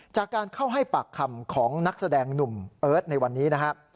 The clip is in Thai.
จากการเข้าให้ปากคำของนักแสดงหนุ่มเอิร์ทในวันนี้นะครับ